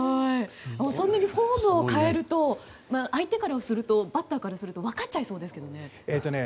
そんなにフォームを変えるとバッターからすると分かっちゃいそうですよね。